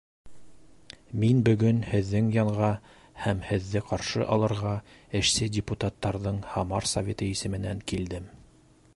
Мин бөгөн һеҙҙең янға һәм һеҙҙе ҡаршы алырға эшсе депутаттарҙың Һамар Советы исеменән килдем.